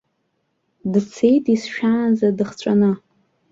Дцеит исшәаанӡа дыхҵәаны.